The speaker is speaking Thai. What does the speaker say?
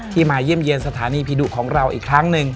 มาเยี่ยมเยี่ยมสถานีผีดุของเราอีกครั้งหนึ่ง